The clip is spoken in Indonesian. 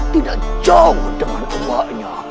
tidak jauh dengan uaknya